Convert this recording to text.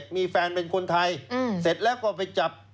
มีแฟนเป็นคนไทยเสร็จแล้วก็ไปจับ